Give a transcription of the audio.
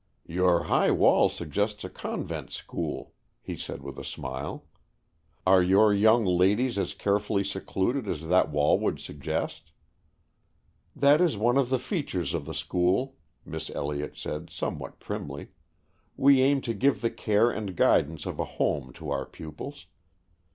"Your high wall suggests a convent school," he said with a smile. "Are your young ladles as carefully secluded as that wall would suggest?" "That is one of the features of the school," Miss Elliott said, somewhat primly. "We aim to give the care and guidance of a home to our pupils.